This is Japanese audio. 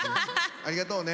ありがとうね。